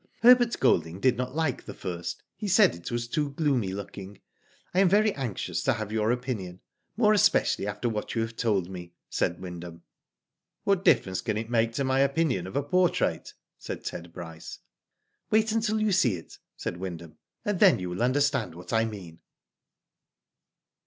Herbert Golding did not like the first. He said it was too gloomy looking. I am very anxious to have your opinion, more especially after what you have told me," said Wyndham. "What difference can it make to my opinion of a portrait?" said Ted Bryce. " Wait until you see it," said Wyndham, " and then you will understand what I mean."